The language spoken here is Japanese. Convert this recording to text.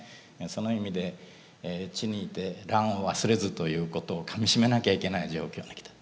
その意味で「治にいて乱を忘れず」ということをかみしめなきゃいけない状況にきた。